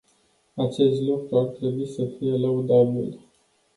Acest lucru ar trebui să fie lăudabil.